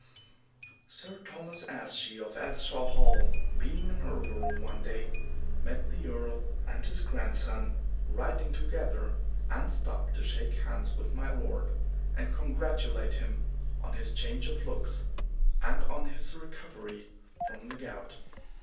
Sir Thomas Asshe of Asshawe Hall, being in Erleboro one day, met the Earl and his grandson riding together, and stopped to shake hands with my lord and congratulate him on his change of looks and on his recovery from the gout.